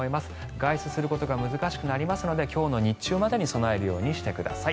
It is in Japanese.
外出することが難しくなりますので今日の日中までに備えるようにしてください。